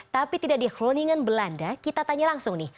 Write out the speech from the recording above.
tapi tidak di honingen belanda kita tanya langsung nih